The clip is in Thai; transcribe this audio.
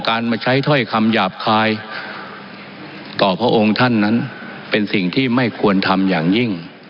มาใช้ถ้อยคำหยาบคายต่อพระองค์ท่านนั้นเป็นสิ่งที่ไม่ควรทำอย่างยิ่ง